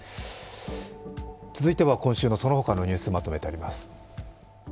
続いては今週のそのほかのニュースまとめてあります。